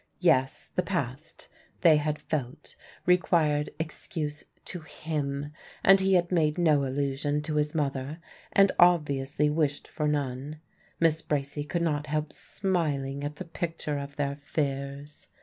Yes, the past (they had felt) required excuse to him. And he had made no allusion to his mother, and obviously wished for none. Miss Bracy could not help smiling at the picture of their fears.